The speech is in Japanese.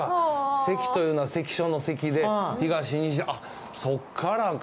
関というのは関所の関で東西そこからか。